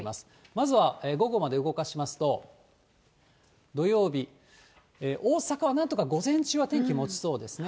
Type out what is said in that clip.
まずは午後まで動かしますと、土曜日、大阪はなんとか午前中は天気もちそうですね。